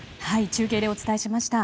中継でお伝えしました。